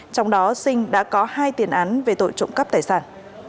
trong đó sinh đã có hai tiền án về tội trộm cắp tài sản